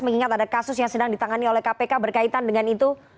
mengingat ada kasus yang sedang ditangani oleh kpk berkaitan dengan itu